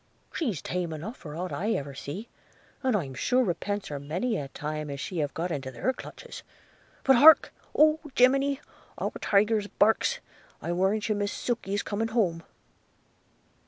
she's tame enough for aught I ever see, and I'm sure repents her many a time as she have got into their clutches – But, hark!' oh Gemini! our Tyger barks; I warrant you Miss Sukey is coming home.'